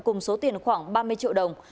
cùng số tiền khoảng ba mươi triệu đồng